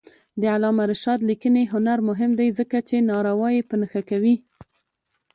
د علامه رشاد لیکنی هنر مهم دی ځکه چې ناروايي په نښه کوي.